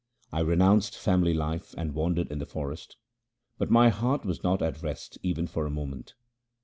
I renounced family life and wandered in the forest, but my heart was not at rest even for a moment.